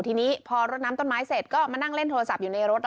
ทีนี้พอรดน้ำต้นไม้เสร็จก็มานั่งเล่นโทรศัพท์อยู่ในรถ